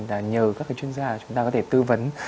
là nhờ các cái chuyên gia chúng ta có thể tư vấn